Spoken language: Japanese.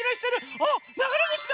あっながれぼしだ！